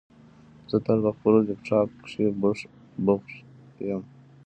زه تل په خپل لپټاپ کېښې بوښت یم